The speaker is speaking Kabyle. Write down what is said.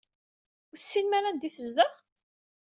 Ur tessinem ara anda ay tezdeɣ?